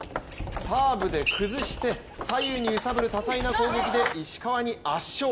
サーブで崩して左右に揺さぶる多彩な攻撃で石川に圧勝。